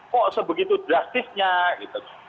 kok sebegitu drastisnya gitu